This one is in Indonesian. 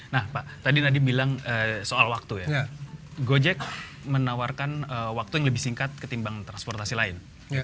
nah pak tadi nadie bilang soal waktu ya gojek menawarkan waktu yang lebih singkat ketimbang transportasi lain